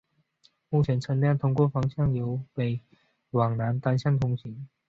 目前车辆通行方向为由北往南单向通行。